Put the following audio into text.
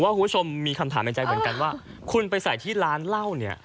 คุณผู้ชมมีคำถามในใจเหมือนกันว่าคุณไปใส่ที่ร้านเหล้าเนี่ย